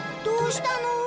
どうしたの？